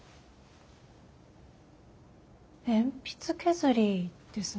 鉛筆削りですね。